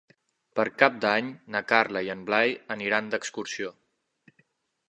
Per Cap d'Any na Carla i en Blai aniran d'excursió.